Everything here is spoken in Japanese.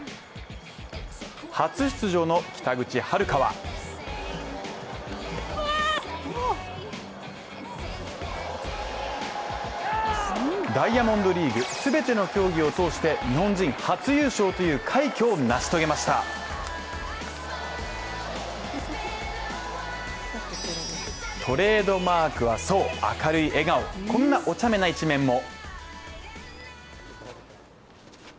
初出場の北口榛花はダイヤモンドリーグ全ての競技を通して日本人初優勝という快挙を成し遂げましたトレードマークはそう明るい笑顔、こんなお茶目な一面も。